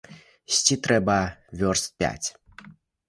Ісці трэба вёрст пяць.